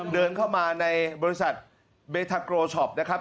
เดินเข้ามาในบริษัทเบทาโกช็อปนะครับ